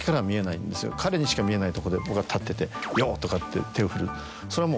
彼にしか見えないとこで僕は立ってて。とかって手を振るそれはもう。